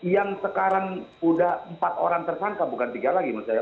yang sekarang sudah empat orang tersangka bukan tiga lagi